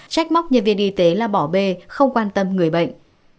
trách móc nhân viên y tế là bỏ bê không quan tâm người bệnh